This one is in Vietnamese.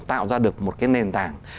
tạo ra được một cái nền tảng